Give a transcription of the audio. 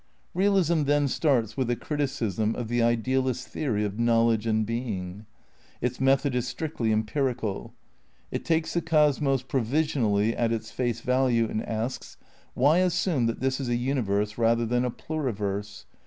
^ Realism then starts with a criticism of the idealist theory of knowledge and being. Its method is strictly empirical. It takes the cosmos provisionally at its face value and asks: Why assume that this is a universe rather than a pluriverse?